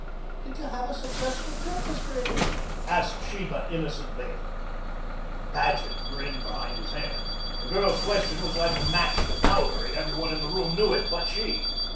"Did you have a successful trip, Mr. Elliot?" asked Sheba innocently. Paget grinned behind his hand. The girl's question was like a match to powder, and every one in the room knew it but she.